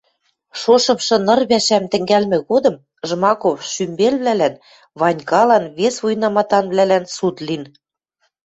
Шошымшы ныр пӓшӓм тӹнгӓлмӹ годым Жмаков шӱмбелвлӓлӓн, Ванькалан, вес вуйнаматанвлӓлӓн суд лин.